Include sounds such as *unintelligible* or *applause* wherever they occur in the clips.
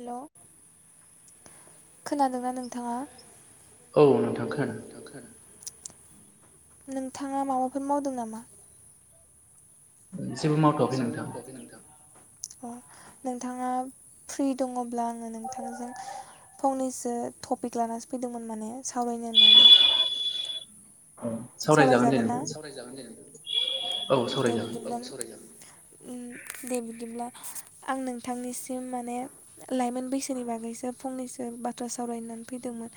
हेल' खोनादोंना नोंथाङा? औ नोंथां खोनादों। नोंथाङा माबाफोर मावदों नामा? जेबो मावथ'वाखै नोंथां। अ नोंथाङा फ्रि दङब्ला आङो नोंथांजों फंनैसो टपिक लानासो फैदोंमोन माने सावरायनो होननानै। सावरायजागोन ना सावरायजागोन दे नोंथां। दे बिदिब्ला औ सावरायजागोन उम दे बिदिब्ला। आं नोंथांनिसिम माने लाइमोन बैसोनि बागैसो फंनैसो बाथ्रा सावरायना होननानै फैदोंमोन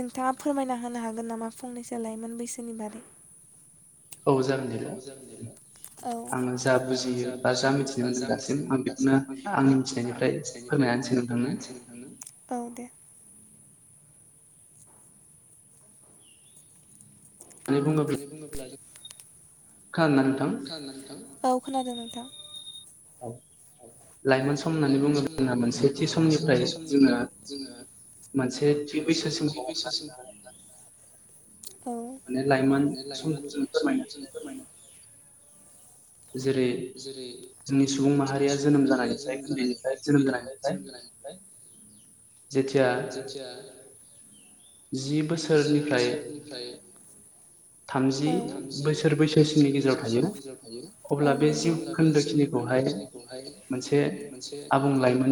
नोंथाङा फोरमायना होनो हागोन नामा फंनैसो लाइमोन बैसोनि बागै? औ औ जागोन। *unintelligible* औ दे। होननानै बुङोब्ला जों *unintelligible* औ खोनादों नोंथां। लाइमोन सम होननानै बुङो जोंना मोनसे थि समनिफ्राय जोङो मोनसे थि बैसोसिम हमनानै औ माने लाइमोन समखौ जों फोरमायनो जेरै जोंनि सुबुं माहारिया जोनोम जानायनिफ्राय उन्दैनिफ्राय जोनोम जानायनिफ्राय जेथि जेथिया जि बोसोरनिफ्राय थामजि बोसोर बैसोसिमनि गेजेराव थायो। औ नंगौ अब्ला बे जिउ खोन्दोखिनिखौहाय मोनसे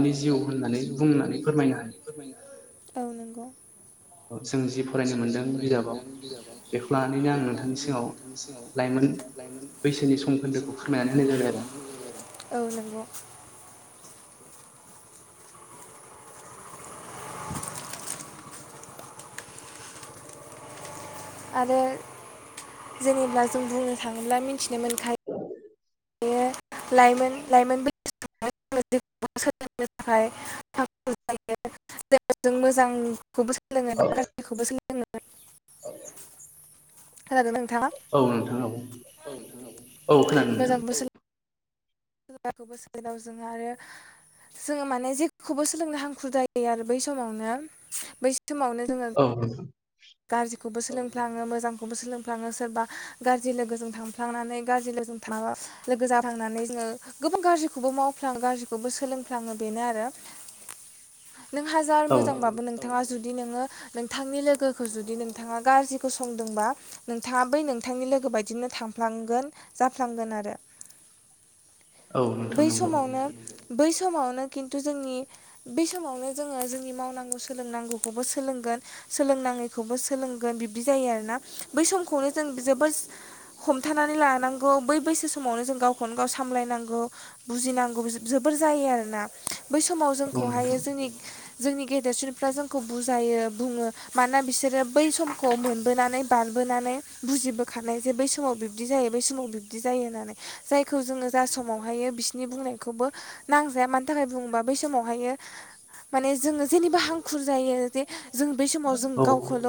आबुं लाइमोननि जिउ होननानै बुंनानै फोरमायनो औ नोंगौ जों जि फरायनो मोनदों बिजाबाव। बेखो लानानैनो आं नोंथांनि सिगाङाव लाइमोन *unintelligible* औ नंगौ। *inaudible* आरो जेनेबा जों बुंनो थाङोब्ला मिनथिनो मोनखा लाइमोन लाइमोन *unintelligible* थाखाय *unintelligible* जों मोजां खौबो सोलोङो बा *unintelligible* खौबो सोलोङो। *unintelligible* खोनादोना नोंथाङा *unintelligible* मोजांखौबो सोलो *unintelligible* जोङो आरो जोङो माने जेखौबो सोलोंनो हांखुर जायो आरो बै समावनो बै सम समावनो जोङो गाज्रिखौबो सोलोंफ्लाङो मोजांखौबो सोलोंफ्लाङो सोरबा गाज्रि लोगोजों थांफ्लांनानै गाज्रि लोगोजों थाङा माबा लोगो जाफांनानै जोङो गोबां गाज्रिखौबो मावफ्लाङो गाज्रिखौबो सोलोंफ्लाङो बेनो आरो। नों हाजार मोजांबाबो नोंथाङा जुद दि नोङो नोंथांनि लोग गोखौ जुदि नोंथाङा गाज्रिखौ संदोंबा नोंथाङा बै नोंथांनि लोगो बायदिनो थांफ्लांगोन जाफ्लांगोन आरो। बै समावनो बै स समावनो किन्तु जोंनि बे समावनो जोङो जोंनि मावनांगौ सोलोंनांगौखौबो सोलोंगोन सोलोंनाङैखौबो सोलोंगोन बिब्दि जायो आरोना बै समखौनो जों जोबोस हमथानानै लानांगौ बै बैसो समावनो जों गावखौनो गाव सामलायनांगौ बुजिनांगौबो जो-जोबोर जायो आरोना। बै समाव जोंखौहाय जोंनि जोंनि गेदेरसिनफ्रा जोंखौ बुजायो बुङो मानोना बिसोरो बै समखौ मोनबोनानै बारबोनानै बुजिबोखानाय जे बै समाव बिब्दि जायो बै समाव बिब्दि जायो होननानै जायखौ जोङो जा समावहायो बिसिनि बुंनायखौबो नांजाया मानि थाखाय बुङोबा बै समावहायो माने जोङो जेनिबो हांखुर जायो जे जों बे समाव जों गावखौल'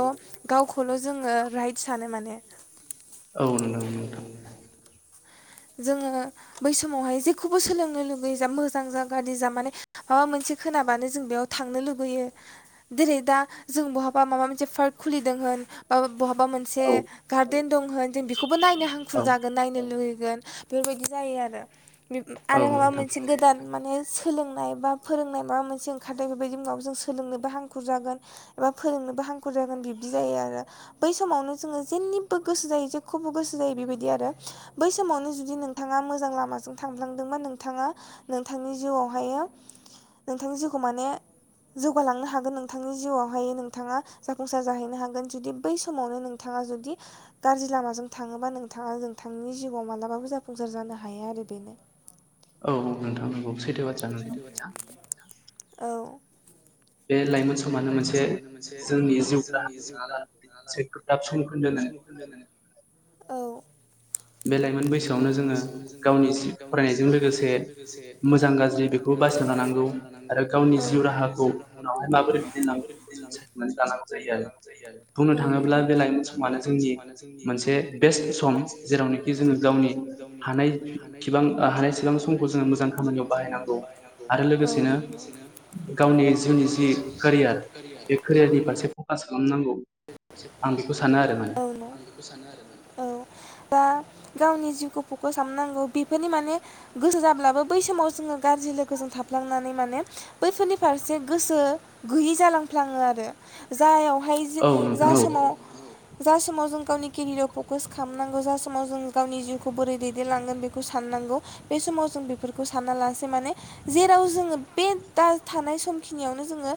गाव खौल जोङो राइट सानो माने। औ नोंथां नोंथां जोङो बै समावहाय जेखौबो सोलोंनो लुगैयो जा मोजां जा गारजि जा माने माबा मोनसे खोनाबानो जों बेयाव थांनो लुगैयो देरै दा जों बहाबा माबा मोनसे पार्क खुलिदों होन माबा बहाबा मोनसे गार्देन दं होन जों बेखौबो नायनो हांखुर जागोन नायनो लुगै जेन बेफोरबायदि जायो आरो आरो माबा मोनसे गोदान माने सोलोंनाय बा फोरोंनाय माबा मोनसे ओंखारदों बेफोरबायदि मुङाव जों सोलोंनोबो हांखुर जागोन एबा फोरोंनोबो हांखुर जागोन बिब्दि जायो आरो बै समावनो जोङो जेनिबो गोसो जायो जेखौबो गोसो जायो बेबायदि आरो बै समावनो जुदि नोंथाङा मोजां लामों थांफ्लांदोंबा नोंथाङा नोंथांनि जिउआवहायो नोंथांनि जिउखौ माने जौगालांनो हागोन नोंथांनि जिउआवहायो नोंथाङा जाफुंसार जाहैनो हागोन जुदि बै समावनो नोंथाङा जुदि गाज्रि लामाजों थाङोबा नोंथाङा नोंथांनि जिउआव मालाबाबो जाफुंसार जानो हाया आरो बेनो। औ औ नोंथां नंगौ सैथो बाथ्रा नोंथां बुंनाया। बे लाइमोन समानो मोनसे जोंनि जिउ राहा नङाहोनबा जायखौ मोनसे गोब्राब समखोन्दो होनो। बेलेग बे लाइमोन बैसोआवनो जोङो गावनि जि फरायनायजों लोगोसे मोजां गाज्रि बेखौ बासिनानै लानांगौ आरो गावनि जिउ राहाखौ माबोरै दैदेनलांनांगौ बेखौ जों संनानै लानांगौ जायो आरो बुंनो थाङोब्ला बे लाइमोन समानो जोंनि मोनसे बेस्ट-' बे सम जेरावनि जोङो गावनि हानायथिबां हानायसिबां जोङो मोजां खामानियाव बाहायनांगौ आरो लोगोसेनो गावनि जिउनि जि केरियार बे केरियार खालामनांगौ। फकास खालामनांगौ, औ आं बेखौ सानो आरो, औ बा गावनि जिउखौ फखास खालामनांगौ बेफोरनि माने गोसो जाब्लाबो बै समाव जोङो गाज्रि लोगोजों थाफ्लांनानै माने बैफोरनि फारसे गोसो गैयि जालांफ्लाङो आरो जायाव हाय जे दा समाव जा समाव जों गावनि केरियाराव फकास खालामनांगौ जा समाव जों गावनि जिउखौ बोरै दैदेनलांगोन बेखौ साननांगौ बे समाव जों बेफोरखौ सानना लासे माने जेराव जोङो बे दा थानाय समखिनियावनो जोङो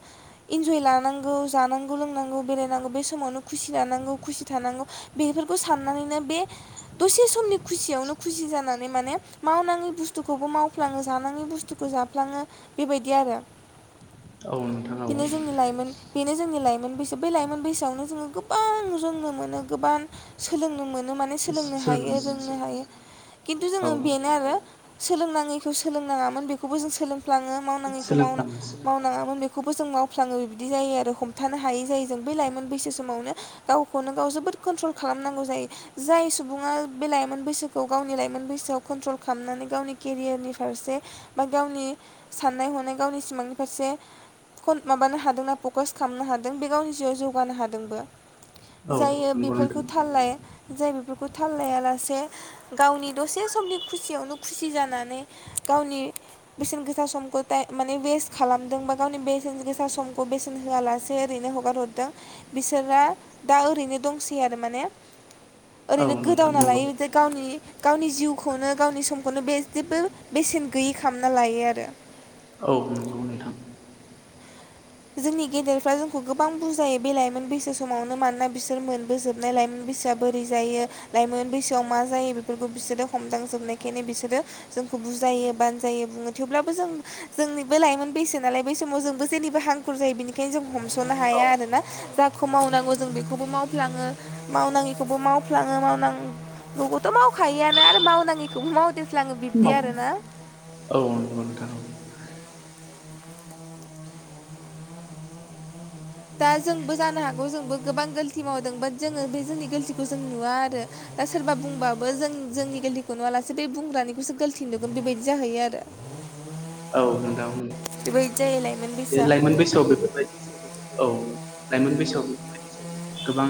इन्जय लानांगौ जानांगौ लोंनांगौ बेरायनांगौ बे सम समावनो खुसि लानांगौ खुसि थानांगौ बेफोरखौ साननानैनो बे दसे समनि खुसियावनो खुसि जाना माने मावनाङि बुस्थुखौबो मावफ्लाङो जानाङि बुस्थुखौ जाफ्लाङो बेबायदि आरो। बेनो जोंनि लाइमोन बेनो जोंनि लाइमोन बैसो बै लाइमोन बैसोआवनो जोङो गोबां रोंनो मोनो गोबां सोलोंनो मोनो माने सोलोंनो हायो रोंनो हायो, खिन्थु जोङो बेनो आरो? सोलोंनाङैखौ सोलोंनाङामोन बेखौबो जों सोलों फ्लाङो मावनाङैखौ मावनाङामोन बेखौ खौबो जों मावफ्लाङो बिदि जायो आरो, हमथानो हायै जायो जों बै लाइमोन बैसो सम समावनो गावखौनो गाव जोबोद कन्ट्रल खालामनांगौ जायो जाय सुबुङा बे लाइमोन बैसोखौ गावनि लाइमोन बैसोआव कन्ट्रल खालामनानै गावनि केरियारनि फारसे बा गावनि साननाय हनाय गावनि सिमांनि फारसे खन माबानो हादोंना फकास खालामनो हादों बे गावनि जिउआव जौगानो हादों। दोंबो। जायो बेफोरखौ थाल लाया जाय बेफोरखौ थाल लायालासे, गावनि दसे समनि खुसियावनो खुसि जानानै गावनि बेसेन गोसा समखौ थाइ माने वेस्ट खालामदों बा गावनि बेसेन गोसा समखौ बेसेन होआलासे ओरैनो हगार हरदों बिसोरा दा ओरैनो दंसै आरो माने ओरैनो गोदावना लायो बिदि गावनि गावनि जिउखौनो गावनि समखौनो बे जेबो बेसेन गैयि खालामना लायो आरो। औ नंगौ नोंथां। जोंनि गेदेरफ्रा जोंखौ गोबां बुजायो बे लाइमोन बैसो समावनो मानोना बिसोर मोनबोजोबनाय लाइमोन बैसोआ बोरै जायो, लाइमोन बैसोआव मा जायो बेफोरखौ बिसोरो हमदांजोबनायखायनो बिसोरो, जोंखौ बुजायो बानजायो बुङो थेवब्लाबो जों जोंनिबो लाइमोन बैसो नालाय बै समाव जोंबो जेनिबो हां खुर जायो बेनिखायनो जों हमस' सनो हाया आरोना। खौ मावनांगौ जों बेखौबो मावफ्लाङो मावनाङिखौबो मावफ्लाङो मावनां *unintelligible* मावखायो आनो आरो मावनाङिखौबो मावदेरफ्लाङो बिब्दि आरो ना। *unintelligible* दा जोंबो जानो हागौ जोंबो गोबां गोल्थि मावदों बाट जोङो बे जोंनि गोल्थिखौ जों नुवा आरो दा सोरबा बुंबाबो जों जोंनि गल्थिखौ नुवालासे बे बुंग्रानिखौसो गोल्थि नुगोन बेबायदि जाहैयो आरो। औ नोंथां। बे लाइमोन बैसोआव बेफोरबायदि औ। लाइमोन बैसोआव बेबायदि गोबां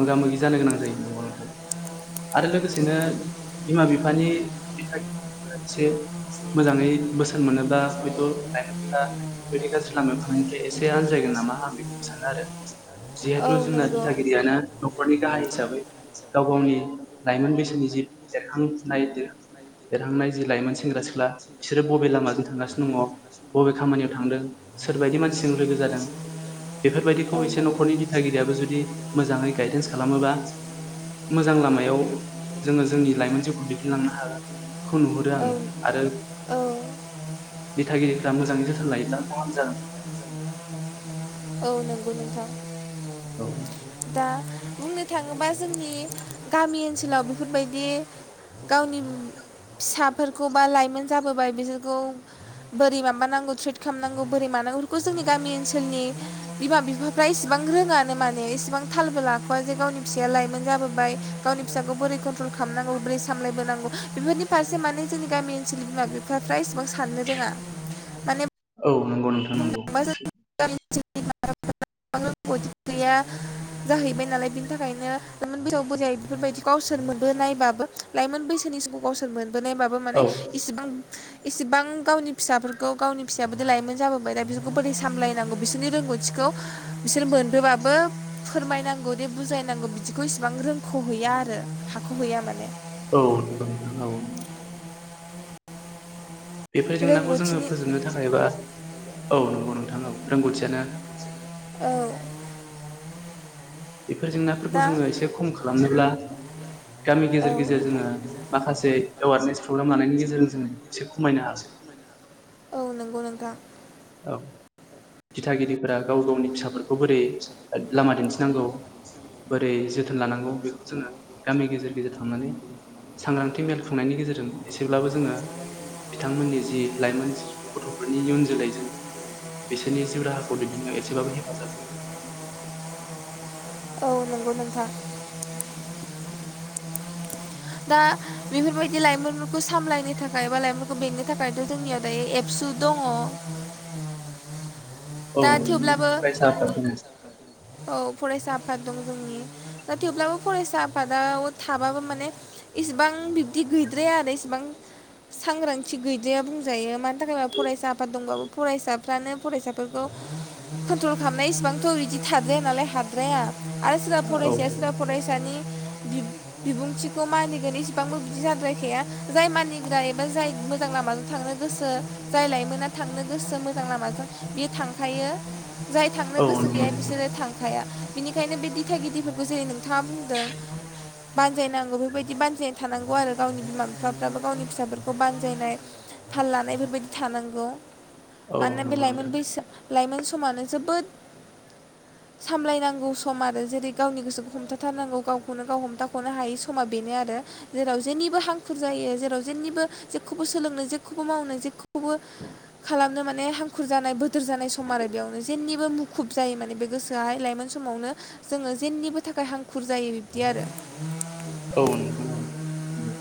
मोगा मोगि जानो गोनां जायो नंगौ नंथाय आरो लोगोसेनो बिमा बिफानि *unintelligible* मोजाङै बोसोन मोनोबा हयथ' लाइमोनफोरा बेबायदि गाज्रि लामायाव थानायांनायनिफ्राय एसे आज्रायगोन नामा आं बेखौ सानो आरो। जिहेथु जोंना दिथागिरियानो न'खरनि गाहाय हिसाबै गाव गावनि लाइमोन बैसोनि जि देरखांफुनाय देरहांनाय जि लाइमोन सेंग्रा सिख्ला रो बबे लामाजों थांगासिनो दङ बबे खामानियाव थांदों सोरबायदि मानसिजों लोगो जादों बेफोरबायदिखौ एसे न'खरनि दिथागिरियाबो जुदि मोजाङै गायदेन्स खालामोबा मोजां लामायाव जोङो जोंनि लाइमोन जिउखौ दैदेनलांनो हागोनखौ नुहुरो आङो आरो दिथागिरिफ्रा मोजाङै जोथोन लायोब्ला गाहाम जागोन सानो आरो। नोंगौ नोंथां। औ। बुंनो थाङोबा जोंनि गामि ओनसोलाव बेफोरबायदि गावनि फिसाफोरखौ बा लाइमोन जाबोबाय बिसोरखौ बोरै माबानांगौ ट्रिट खालामनांगौ बोरै मानांगौ बेफोरखौ जोंनि गामि ओनसोलनि बिमा बिफाफ्रा इसेबां रोङानो माने इसेबां थालबो लाख'वा जे गावनि फिसाया लाइमोन जाबोबाय गावनि फिसाखौ बोरै कन्ट्रल खालामनांगौ बोरै सामायबोनांगौ बेफोरनि फारसे माने जोंनि गामि ओनसोल बिमा बिफ्रा इसेबां साननो रोङा माने औ नोंगौ नोंथां नोंगौ। *unintelligible* गदि गैया जाहैबाय नालाय बिनि थाखायनो लाइमोन बैसोआव बुजाय बेफोरबायदि गावसोरमोनबो नायबाबो लाइमोन बैसोनि सिगाङाव गावसोरमोन बोनायबाबो माने इसिबां इसिबां गावनि फिसाफोरखौ गावनि फिसायाबो दि लायोमोन जाबोबाय दा बिसोरखौ बोरै सामलायनांगौ बिसोरनि रोंगौथिखौ बिसोर मोनबोबाबो फोरमायनांगौ दे बुजायनांगौ बिदिखौ इसिबां रोंख'हैया आरो हाख' हैैया माने। औ बेफोर जेंनाखौ जोङो फोजोबनो थाखायबा औ नंगौ नोंथां औ रोंगौथियानो औ। बेफोर जेंनाफोरखौ जोङो एसे खम खालामनोब्ला गामि गेजेर गेजेर जोङो माखासे एवारनेस प्रग्राम लानायनि गेजेरजों जोङो एसे खमायनो हागोन। औ दिथागिरिफोरा गाव गावनि फिसाफोर खौ बोरै लामा दिन्थिनांगौ, बोरै जोथोन लानांगौ बेखौ जोङो गामि गेजेर गेजेर थांनानै सांग्रांथि मेल खुंनायनि गेजेरजों एसेब्लाबो जोङो बिथांमोननि जि लाइमोन गथफोरनि इयुन जोलैजों बिसोरनि जिउ राहाखौ दैदेननायाव एसेबाबो हेफाजाब औ नंगौ नोंथां। दा बेफोरबायदि लाइमोनफोरखौ सामलायनो थाखाय बा लाइमोनफोरखौ बेंनो थाखायथ जोंनियाव दायो एबसु दङ। औ नोंथां फरायसा आफाद दङ। फरायसा आफाद दं जोंनि दा थेवब्लाबो फरायसा आफादा थाबाबो माने इसिबां बिब्दि गैद्राया आरो इसेबां सांग्रांथि गैद्राया बुंजायो। मानि थाखाय फरायसा आफाद दंबाबो फरायसाफ्रानो फरायसाफोरखौ कन्ट्रल खालामनाया इसिबांथ बिदि थाद्राया नालाय हाद्राया। आरो सोरबा फरायसाया सोरबा फरायसानि बि- बिबुंथि खौ मानिगोन इसिबांबो बिदि जाद्रायखाया जाय मानिग्रा एबा जाय मोजां लामाजों थांनो गोसो जाय लाइमोना थांनो गोसो मोजां लामाजों बियो थांखायो। जाय थांनो गोसो गैया बिसोरो थांखाया। बिनिखायनो बे दिथागिदफोरखौ जेरै नों थाङा बुंदों बानजायनांगौ बेफोरबायदि बानजायनाय थानांगौ आरो गावनि बिमा बिफाफ्राबो गावनि फिसाफोरखौ बानजायनाय थाल लानायफोरबायदि थानांगौ। मानोना बे लाइमोन बैसोआ लाइमोन समानो जोबोद सामलायनांगौ सम आरो जेरै गावनि गोसोखौ हमथाथारनांगौ गावखौनो गाव हमथाखनो हायै सम समा बेनो आरो जेराव जेनिबो हांखुर जायो। जेराव जेनिबो जेखौबो सोलोंनो, जेखौबो मावनो, जेखौबो खालामनो माने हांखुर जानाय बोदोर जानाय सम आरो बेयावनो जेनिबो मुखुब जायो। माने बे गोसोआहाय लाइमोन समावनो जोङो जेनिबो थाखाय हांखुर जायो। बिब्दि आरो। औ नोंथां औ।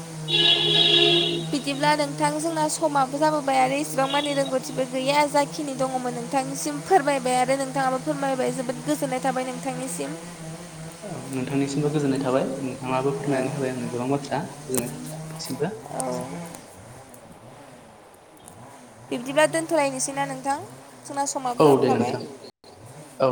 *unintelligible* बिदिब्ला नोंथां जोंना समाबो जाबोबाय आरो इसिबां मानि रोंगौथिबो गैया जाखिनि दङमोन नोंथांनिसिम फोरमायबाय आरो नोंथाङाबो फोरमायबाय जोबोद गोजोननाय थाबाय नोंथांनिसिम। औ नोंथांनिसिमबो गोजोननाय थाबाय। नोंथाङाबो फोरमायनानै होबाय आंनो गोबां बाथ्रा गोजोननाय थाबाय नोंथांनिसिमबो। बिब्दिब्ला दोनथलायनोसै ना नोंथां? औ दे नोंथां औ।